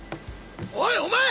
おいお前！